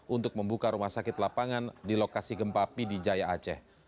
untuk membuka rumah sakit lapangan di lokasi gempa pidijaya aceh